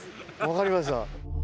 分かりました。